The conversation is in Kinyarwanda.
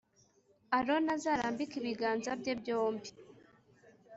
Aroni azarambike ibiganza bye byombi